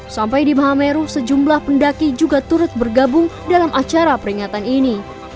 sampai di mahameru sejumlah pendaki juga turut bergabung dalam acara peringatan ini